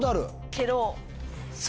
けど。